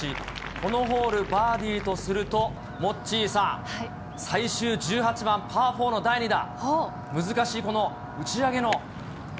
このホール、バーディーとすると、モッチーさん、最終１８番パー４の第２打。